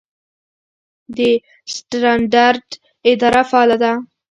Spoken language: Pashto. د سټنډرډ اداره فعاله ده؟